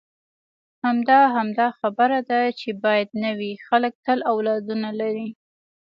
همدا، همدا خبره ده چې باید نه وي، خلک تل اولادونه لري.